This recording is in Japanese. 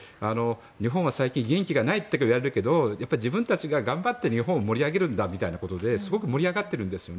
日本は最近元気がないといわれるけど自分たちが頑張って日本を盛り上げるんだみたいなことですごく盛り上がっているんです。